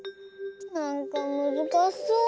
なんかむずかしそう。